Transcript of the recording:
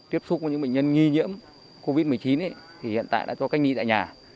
tiếp xúc với những bệnh nhân nghi nhiễm covid một mươi chín thì hiện tại đã cho cách ly tại nhà